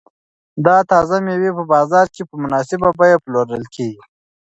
دا تازه مېوې په بازار کې په مناسبه بیه پلورل کیږي.